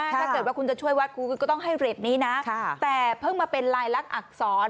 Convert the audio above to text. ถ้าเกิดว่าคุณจะช่วยวัดคุณก็ต้องให้เรทนี้นะแต่เพิ่งมาเป็นลายลักษณอักษร